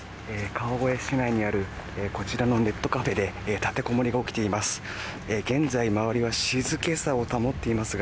川越市内にあるこちらのネットカフェで立てこもりが起きています。